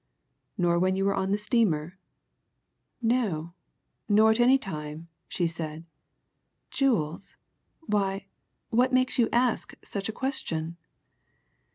"Nor when you were on the steamer?" "No nor at any time," she said. "Jewels? why what makes you ask such a question?"